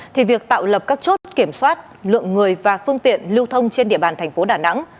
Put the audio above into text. thì việc tạo lập các chốt kiểm soát lượng người và phương tiện lưu thông trên địa bàn thành phố đà nẵng